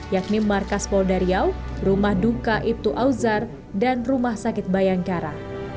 yakni markas poldaryaw rumah duka ibtu awzar dan rumah sakit bayangkara